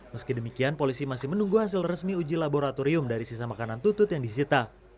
meski demikian polisi masih menunggu hasil resmi uji laboratorium dari sisa makanan tutut yang disita